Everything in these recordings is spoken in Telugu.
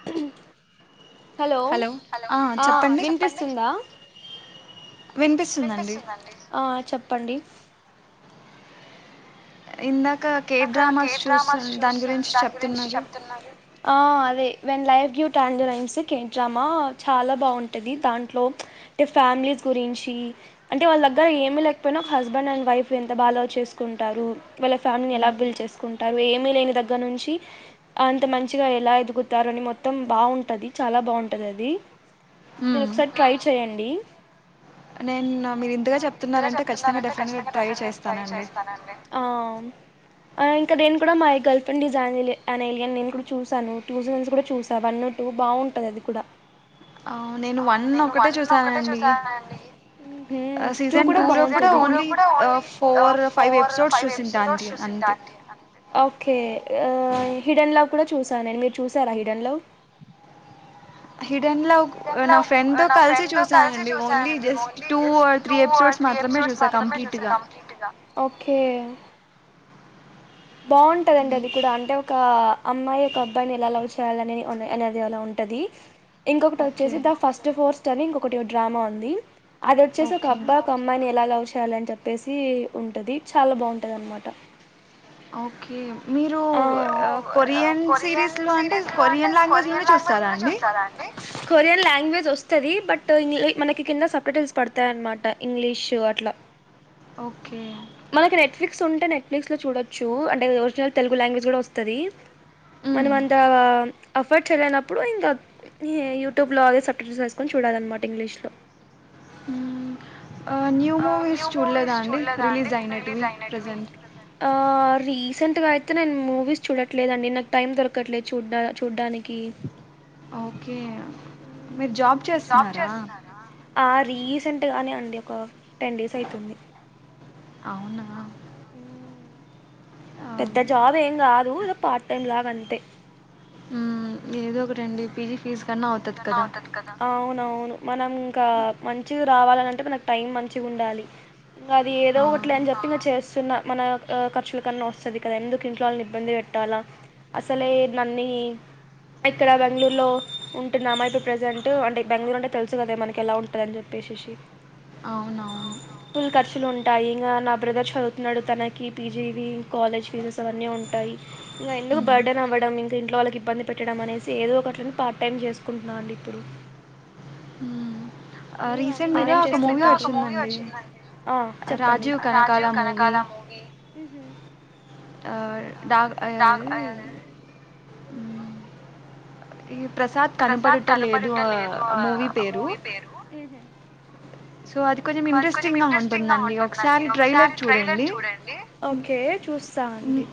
[inaudible] హలో ఆ వినిపిస్తుందా. ఆ చెప్పండి. ఇందాక కే డ్రామాస్ చూస్తు దాని గురించి చెప్తున్నారు. ఆ అదే when life give tangerines K drama చాలా బాగుంటది. దాంట్లో ప్చ్ అంటే ఫ్యామిలీస్ గురించీ. అంటే వాళ్ళ దగ్గర ఏమి లేకపోయినా ఒక హస్బెండ్ అండ్ వైఫ్ ఎంత బాగా లవ్ చేసుకుం ఉంటారు వాళ్ళ ఫ్యామిలీ ఎలా బిల్డ్ చేసుకుంటారు ఏమి లేని దగ్గర నుంచి, అంత మంచిగా ఎలా ఎదుగుతారని మొత్తం బా బాగుంటది చాలా బాగుంటది అది. మీరు ఒకసారి ట్రై చేయండి. నేను మీరు ఇంతగా చెప్తున్నారంటే ఖచ్చితంగా డెఫినెట్గా ట్రై చేస్తానండి. ఆ ఇంకా నేను కూడా my girlfriend is an ఏలి ఆన్ ఏలియన్ నేను కూడా చూసాను. టూ సీజన్స్ కూడా చూసా వన్ను టూ బాగుంటది అది కూడా. ఊహూ టూ కూడా బాగుంటుంది. కూడా ఓన్లీ ఆ ఫోర్ ఫైవ్ ఎపిసోడ్స్ చూసింటాను ఓకే ఆ హిడన్ లవ్ కూడా చూసా నేన్. మీరు చూసారా హిడెన్ లవ్. [inaudible] హిడెన్ లవ్ నా ఫ్రెండ్ తో కల్సి చూశానండి only just two or three episode okay బాగుంటదండి అది కూడా అంటే ఒకా అమ్మాయి ఒక అబ్బాయిని ఎలా లవ్ చేయాలని అనె అనేది అలా ఉంటదీ. ఎంగ చ్చ ద ఫస్ట్ ఫోర్స్ట్ అనిం డ్రామా ఉంది అది వచ్చేసి ఒక అబ్బా కమ్మని ఎలా షయాల అని చెప్పేసి ఉంటది చాలా బాగుంటది అనమాట ఓకే మీరు కొరియన్ సిరీస్ లో అంటే కొరియన్ లాంగ్వేజ్ లోనే చూస్తారు ంగా చూస్తారా అండి కొరియన్ లాంగ్వేజ్ వస్తుంది బట్ మనకి కింద సబ్టెట్స్ పడతాయి అన్నమాట ఇంగ్లీషు అట్లా [inaudible] ఓకే నెట్ఫ్లిక్స్ ఉంటే నెట్ఫ్లిక్స్లో చూడచ్చు అంటేది ఒరిజినల్ తెలుగు లాంగ్వేజ్ కూడా వస్తుంది మనం అంత ఎఫర్ట్స్ వెళ్ళనప్పుడు ఇంకా యూట్యూబ్లో అదే సప్ెక్స్ చేసుకొని చూడాలన్నమాట ఇంగ్లీష్లో న్యూ మూవీస్ చూడలేదా అండి రిలీజ్ అయినట్వి ప్రెంట్ రీసెంట్గా అయితే నేను మూవీస్ చూడట్లేదండి నాకు టైం దొరకట్లేదు చూడా చూడ్డానికి మీరు జాబ్ చేస్తున్నారా రీసెంట్ గానే అండి ఒక టెన్ డేస్ అయితుంది అవునా పెద్ద జాబ్ ఏం కాదుద పార్ట్ టైం లాగా అంతే ఏదో ఒకటి అండి పీజీ ఫీజ ఫేస్ కన్నా అవుతది కదా అవును అవును మనం ఇంకా మంచి రావాలంటే మనకు టైం మంచిగా ఉండాలి ఇంకా అది ఏదో ఒకటిలే అని చెప్పి ఇంక చేస్తున్న మన ఖర్చుల కన్నా వస్తుది కదా ఎందుకు ఇంట్లో వాళ్ళ ఇబ్బంది పెట్ట అ నన్నీ ఇక్కడ బెంగళూరులో అ నామాయపు ప్రెజెంట్ అంటే బెంగళూరు అంటే తెలుసు కదా మనకి ఎలా ఉంటుందని చెప్పేసేసి అవును ఫుల్ ఖర్చులు ఉంటాయి ఇకా నా బ్రదర్ చదువుతున్నాడు తనకి పీజీ కాలేజ్ ఫీజెస్ అవన్నీ ఉంటా ఇంకా ఎందుకు బర్త్డే అవ్వడం ఇంకా ఇంట్ వాళ్ళకి ఇబ్బంది పెట్టడం అనేసి ఏదో ఒకని పార్ట్ టైమ్ చేసు కొనుకుంటున్నాండి ఇప్పుడు నేను అండి నేనేం చేస్తు ఒక మూవీ వచ్చిందండి చెప్పండి రాజీవ్ కనకాల మూవీ మూవీ అ ప్రసాద్ కనపడట లేదు ఆ మూవీ పేరు సో అది కొంచం ఇంట్రెస్టింగ్ గా ఉంటుందండి ఒకసారి ట్రైలర్ చూడండి క చూస్తానండి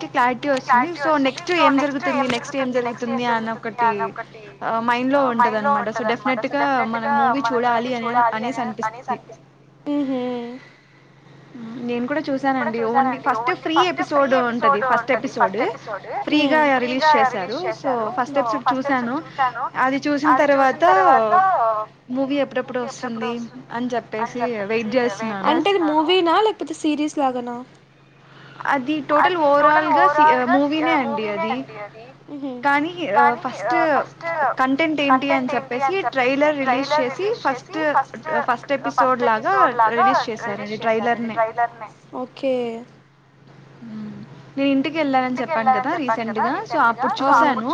మీర ఎ క్లారిటీ వస్తుింది సో నెక్స్ట్ ఏం జరుగుతుంది నెక్స్ట్ ఏం జరుగుతుంది అని ఒకటి మైండ్ లో ఉంటనమాట సో డెఫెట్ గా ఆ మూవీ చూడాలి అనే అనేసి అనిపిస్తుంది నేను కూడా చూసానండి ఓన్లీ ఫస్ట్ ఫ్రీ ఎపిసోడ్ ఉంటది ఫస్ట్ ఎపిసోడ్ ఫ్రీగా రిలీజ్ చేశారు సో ఫస్ట్ ఎపిసోడ్ చూశాను అది చూసిన తర్వాత మూవీ ఎప్పుడెప్పుడు వస్తుంది అని చెప్పసి అంటే మూవీనా లేకపోతే సీరీస్ లాగన అది టోటల్ ఓవరాల్ గా మూవీనే అండి అది కానీ ఫస్ట్ కంటెంట్ ఏంటి అని చెప్పేసి ట్రైలర్ రిలీజ్ చేసి ఫస్ట్ ఫస్ట్ ఎపిసోడ్ లాగా రిలీజ్ చేశారండి ట్రైలర్ ని ఓకే హ నేను ఇంటికి వెళ్ళానని చెప్పాను కదా రీసెంట్ గా సో అప్పుడు చూసాను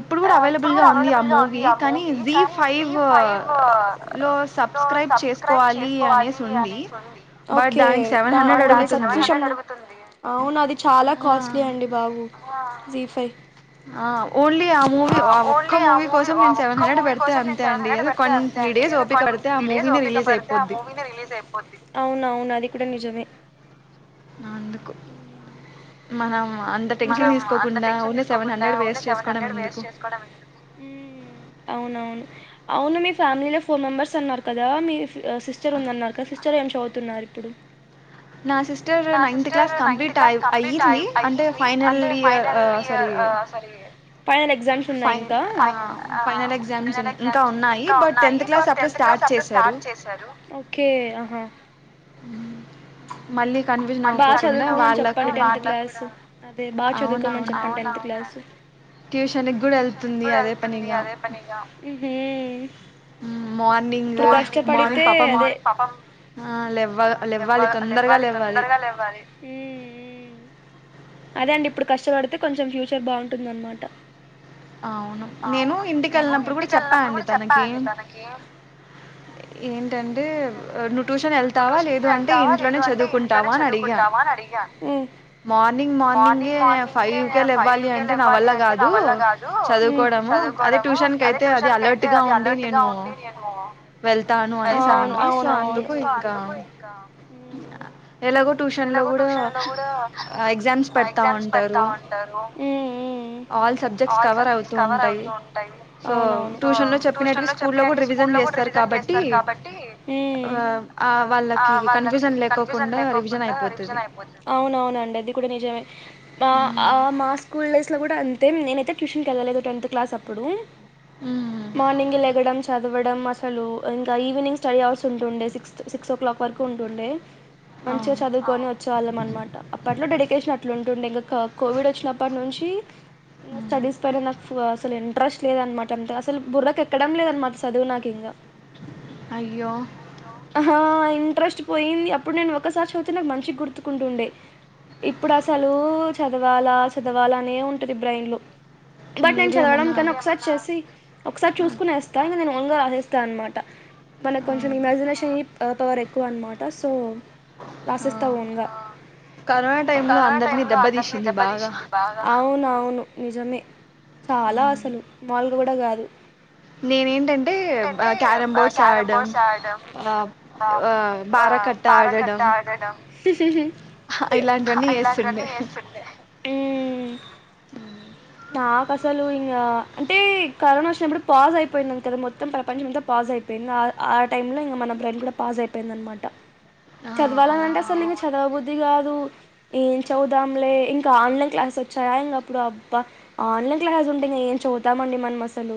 ఇప్పుడు కూడా అవైలబుల్ గా ఉంది ఆ మూవీ కానీ జీ ఫైవ్ లో సబ్క్రబ్ చేసుకోవాలి అనిసి ఉంది బట్ దానికి సెవెన్ హండ్రెడ్ అడుగుతు అవును అది చాలా కాస్ట్లీ అండి బాబు జీ ఫై ఓన్లీ ఆ మూవీ ఆ ఒక్క మూవీ కోసం నేను సెవెన్ హండ్రెడ్ పెడితే అంతే అండి అద కొ త్రి డెస్ ఓపిక పడితే ఆ మూవీ రిలీజ్ అయిపోద్ది అవున అవును అది కూడా నిజమే అందుకు మనం మనం అంత టెన్షన్ తీసుకోకుండా ఊకనే సెవెన్ హండ్రెడ్ వేస్ట్ చేసుకోవడం ఎందుకు అవునవును అవును మీ ఫ్యామిలీ లో ఫోర్ మెంబెర్స్ అన్నారు కదా మీ సిస్టర్ ఉందన్నారు కదా సిస్టర్ ఏం చదువు తిన్నారు ఇప్పుడు నా సిస్టర్ నైన్త్ క్లాస్ కంప్లిట్ ఐ అయింది అంటె ఫైనల్ ఆ సారీ పైనల్ ఎగ్జామ్స్ ఉన్నాయా ఇంకా ఆ ముందుగానే ఎగ్జామ్స్ ఇంకా ఉన్నాయి బట్ టెన్త్ క్లాస్ అప్పుడే స్టాట్ చేశారు ఉ బాగా చదువుకోమని చెప్పండి టెన్త్ క్లాస్ తే బా చదువుకోమని చెప్పండి టెన్త్ క్లాస్ ట్యూషన్ కూడా వెళ్తుంది అదే పనిగా ఇప్పుడు కష్టపడితే అదే ఆ లెవ్వ లేవ్వాలి తొందరగా లేవ్వాలి అదే అండి ఇప్పుడు కష్టపడితే కొంచెం ఫ్యూచర్ బాగుంటుంది అనమాట అవును నేను ఇంటిక వెళ్ళినప్పుడు కూడా చెప్పానండి తనకి ఏంటంటే నువ్వు ట్యూషన్ వెళ్తావా లేదు అంటే ఇంట్లోనే చదువుకుంటావా అని అ అడిగ మార్ మార్నింగ్ మార్నింగ్ ఫైవ్కే లెవ్వాలి అంటే నా వల్ల కాదు చదువుకోవడం ము అదే ట్యూషన్ కయితే అది అలర్ట్ గా ఉండి నేను అవును అవును అవును ఉ ఎలాగో ట్యూషన్ లో కూడా ఎగ్జామ్స్ పెడతా ఉంటారు ఆల్ సబెక్ట్ కవర్ అవుతూ ఉంటాయి అ టూషన్ లో చెప్పిన స్కూ లో కూడా రివిజ్ న్ చేస్తారు కాబట్టి వాళ్ళకి కన్ఫ్యూజన్ లేకో అవున అవునండి అది కూడా నిజమే మా ఆ మా స్కూల్ లైఫ్ లో కూడ అంతే నేన అయితే ట్యూషన్ కి కూడా వెళ్ళలేదు టెన్త్ క్లాస్ క అప్పుడు మర్నింగ్ గే లెవ్వడం చదువు చదవడం అసలు ఇంకా ఈవినింగ్ స్టడీ అవర్స్ ఉంటుండే సిక్స్ సిక్స్ ఓ క్లాక్ వరకు ఉంటుండే మంచిగా చదువుకొని వచ్చేవాళ్ళం అనమాట అప్పట్లో డెడికేషన్ అట్లుంటుండే ఇంకా కోవిడ్ వచ్చినప్పటి నుంచి స్టడీస్ పైన నాకుఅసలు ఇంట్రస్ట్ లేదనమాట అంతే అసలు బుర్రక ఎక్కడం లేద అనమాట చదువు నాకు ఇంకా ఆ ఇంట్రెస్ట్ పోయింది అప్పుడు నేను ఒక ఒక్కసారి చదివితే నాకు మంచిగా గుర్తుకుంటుండే ఇప్పుడు అసలు చదవాలా చదవాలా అనే ఉంటది బ్రైన్ లో బట్ నేను చదవడం కన్నా ఒకసారి చేసి ఒకసారి చూసుకొనేస్తా ఇం నేను ఓన్గా రాసేస్తాను అనమాట మనకు కొంచెం ఇమాజినేషన్ పవర్ ఎక్కువ అనమాట సో రాసేస్తా ఓన్గా కరోనా టైమ్ లో అందరినీ దెబ్బతీసింది బాగా అవును అవును నిజమే చాలా అసలు మాములుగా కూడా కాదు నేనే ఏంటంటే క్యారం బోర్డ్స్ ఆడడం ఆ ఆ భార కట్ట ఆడడం ఆడడం ఇలాంటి వన్ని చేస్తుండే ఉ నాకు అసలు ఇంకా అంటే కరోనా వచ్చినప్పుడు పాజ్ అయిపోయిందింది కదా మొత్తం ప్రపంచం అంతా పాజ్ అయిపోయింది ఆ టైమ్ లో ఇంకా మన బ్రెయిన్ కూడా పాస్ అయిపోయింది అన్న మాట చదవాలనంటె అసలు ఇంక చదవబుద్ది కాదు ఏం చదువుడంలే ఇంకా ఆన్లైన్ క్లాసెస్ వచ్చాయా ఇంక అప్పుడు బా ఆన్లైన్ క్లాసెస్ ఉంటాయి ఏం చదువుతామండి మనం అసలు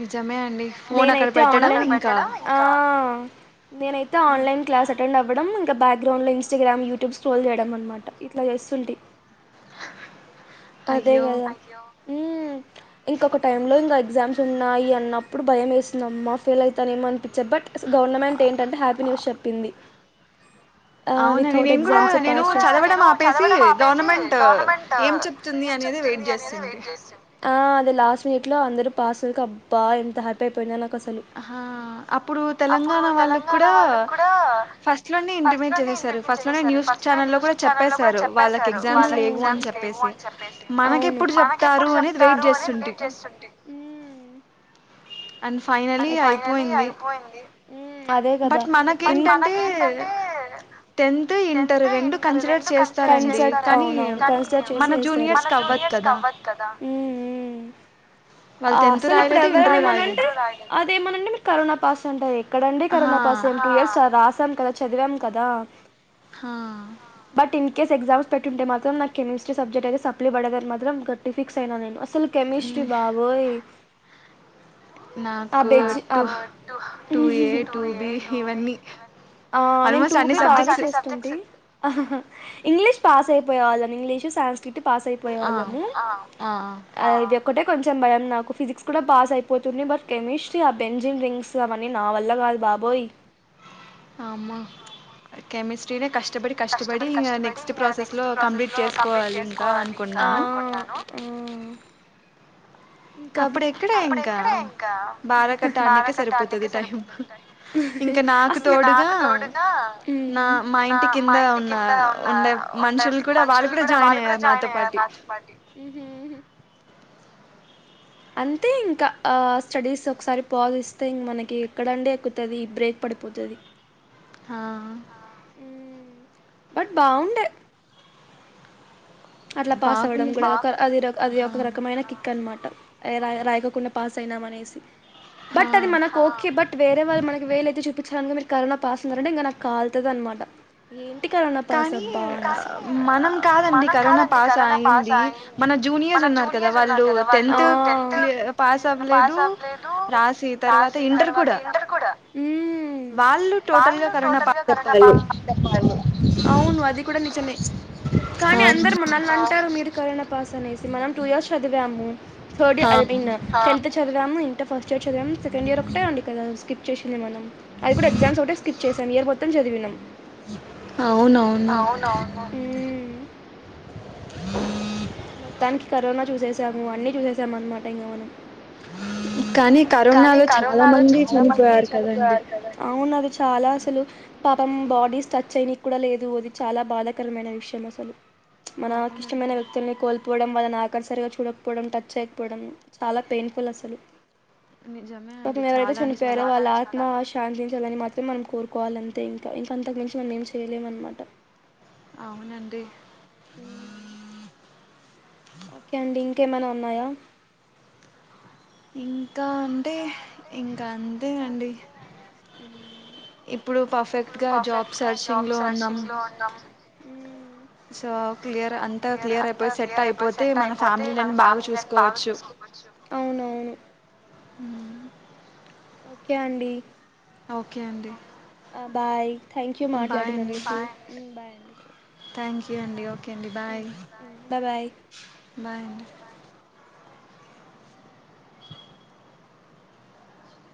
నిజమే నేనైతే ఆన్లైన్ ఆ నేనైతే ఆన్లైన్ క్లాస్ అటెండ్ అవ్వ వడం ఇంకా బ్యాక్గ్రౌండ్ లో ఇన్స్టాగ్రామ్ యూట్యూబ్ స్ట్రోల్ చేయడం అన్నమాట ఇట్లా చేస్తుంటి అదే గదా ఇంకొక టైమ్ లో ఇంకా ఎగ్జామ్ ఉన్నాయి అన్నప్పుడు భయం వేస్తుందమ్మా ఫెయిల్ అవుతానేమో అనిపించా, బట్ గవర్నమెంట్ ఏంటంటే హ్యాపీ న్యూస్ చెప్ ప్పింది ఆ వితౌట్ ఎగ్జామ్స్ పాస్ చేసి నేను చదవడం ఆపేసి గవర్నమెంట్ ఎమ్ చెప్తుంది అనేది వెయిట్ చేసింటి. ఆ అదే లాస్ట్ వీక్ లో అందరూ పాస్ కి అబ్బా ఎంత హ్యాపీ అయిపోయిననో. కసలు ఆ అప్పుడు తెలంగాణ వాళ్ళకి కూడా ఫస్ట్ లోనే ఇంటర్ వ్యూవ్ చేసేసారు ఫస్ట్ నే న్యూస్ ఛానెల్ లో కూడా చెప్పేసరు వాళ్ళకి ఎగ్జామ్స్ లేవు అని చెప్ చొప్పేసి అవును మనకెప్పుడు చెప్తారు అని లీడ్ చేస్తుంటీ. అది ఫైనలీ అయిపోయింది ఉ అదే కదా బట్ మనకేంటంటే టెన్త్ ఇంటర్ రెండు కన్సిడర్ కన్సట్ అవునవును కాన్సిడర్ చేసి యేస్తారు. మన జూనియర్ రిస్క్ అవదు కదా అసలు ఇప్పుడు ఎవరైనా ఏమైనాంటే అదేమని అంటే మీరు కరోనా పాస్ అంటరు, ఎక్కడండి కరోనా పాస్ ఏంట యే సార్ రాసామ్ కదా. చదివాం కదా హా కేస్ ఎగ్జామ్స్ పెట్టుంటే మాత్రం నాకు కెమిస్ట్రీ సబ్జెక్ట్ అయితే సప్లీ పడేదని మాత్రం గట్టిగా ఫిక్స్ అయినా నేను. అసలు కెమిస్ట్రీ బాబోయ్ నాకు two two A two B ఇవన్నీ ఆ నేను టూ బి బాగ్నే చేస్తుంటి ఆహాహా ఇంగ్లీష్ పాస్ అయిపోయే వాళ్ళం ఇంగ్లీష్ సన్స్క్రిట్ పాస్ అయిపోయే వాళ్ళము ఆ ఇది ఒక్కటే కొంచెం. భయం నాకు ఫిజిక్స్ కూడా పాస్ అయిపోతుంది బట్ కెమిస్ట్రీ ఆ బెంజిన్ రింగ్స్ అవన్నీ నా వల్ల కాదు బాబోయ్. అమ్మ కెమిస్ట్రీనే కష్టపడి కష్టపడి నెక్స్ట్ ప్రాసెస్లో కంప్లీట్ చేసుకోవాలి ఇంకా అనుకున్నాను. ఆ ఆ ఇంకా అప్పుడు ఎక్కడే ఇంకా బారకట్ట ఆడానికే సరిపోతది టైమ్. అసల్ నాకు తోడుగా ఉ నా మా ఇంటి కింద ఉన్న ఉండే మనుషులు కూడా వాళ్ళు కూడా జాయిన్ అయ్యారు నాతో పాటి. ఉ హు అంతే ఇంకా ఆ స్టడీస్ ఒకసారి పాజ్ ఇస్తే ఇంకా మనకి ఎక్కడండి ఎక్కుతాది ఈ బ్రేక్ ప పడిపోతాది ఆ ఉ బట్ బాగుండ్య అట్లా పాస్ అవ్వడం కూడా ఒక అది అది ఒక రకమైన కిక్ అనమాట. ట్ యే రాయ్ రాయకోకుండా పాస్ అయినాం అనేసి. బట్ అది మనకు ఓకే బట్ వేరే వాళ్ళ మనకి వేలత్తి చూపించాడానికి మీర్ కరోనా పాస్ ఆన్నారంటే ఇంకా నాకు కాల్తది అనమాట. ఏన్ ఏంటి కరోనా పాస్ అబ్బా అనేసి కానీ మనమ్ కాదండి కరోనా పాస్ అయింది మన జూనియర్స్ ఉన్నారు కదా వాళ్ళు ఆ టెన్తు పాస్ అవ్వలేదు పాస్ అయినా తర్వాత ఇంటరు కూడా ఉ వాళ్ లు టోటల్ గా కరోనా పాస్ అని చెప్పాలి అవును అది కూడా నిజమే కానీ అందర్ మనల్ని అంటారు మీరు కరోనా పాస్ అనేసి మనం టూ ఇయర్స్ చదివాము. [unintelligible] టెన్త్ చది చదివామ్ ఇంటర్ ఫస్ట్ ఇయర్ చదివమ్ సెకండ్ ఇయర్ ఒకటే అండి కదా స్కిప్ చేసింది మనం, అది కూడా ఎగ్జామ్స్ ఒకటే స్కిప్ చేసాము. ఇయర్ మొత్తం చదివినమ్ అవునవును [inaudible] మొత్తానికి కరోనా చూసేసాము అన్ని చూసేసాము అన్నమాట ఇంకా మనం. కానీ కరోనాలో చాలా మంది చనిపోయారు కదా అవునది చ్ చాలా అసలు పాపం బాడీ స్ట్రక్చర్ అయన కూడా లేదు అది చాలా బాధాకరమైన విషయం అసలు మనకి ఇష్టమైన వ్యక్తుల్ని కోల్పోవడం వాళ్ని ఆకర్షరిగా చూడకపోవడం టచ్ చేయకపోవడం చాలా పెయిన్ అసలు పక్కన ఎవరైతే చనిపోయారో వాళ్ళ ఆత్మ శాంతించాలని మాత్రం మనం కోరుకు కోవాలంటే ఇంకా ఇంకా అంతకుమించి మనం ఏం చేయలేమనమాట అవునండి అ ఓకే అండి ఇంకేమైనా ఉన్నాయా ఇంకా అంటే ఇంకా అంతే అండి ఇప్పుడు పర్ఫెక్ట్ గా జాబ్ సర్చింగ్ లో ఉన్నాము సో క్లియర్ అంతా క్లియర్ అయిపోతే సెట్ అయిపోతే మన ఫ్యామిలీ బాగా చూసుకు అవునవును హ ఓకే అండి ఓకే అండి బాయ్ థ్యాంక్ యూ మాట్లాడినందుకు బాయ్ అండి థ్యాంక్ యూ అండి ఓకే అండి బాయ్ బాయ్ అండి